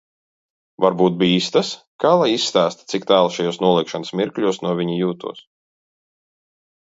Varbūt bīstas? Kā lai izstāsta, cik tālu šajos noliegšanas mirkļos no viņa jūtos?